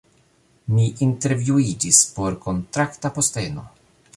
Mi intervjuiĝis por kontrakta posteno